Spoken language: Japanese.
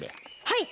はい！